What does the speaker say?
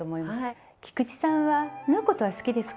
菊池さんは縫うことは好きですか？